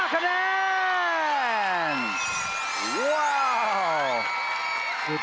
๓๐๕คะแนน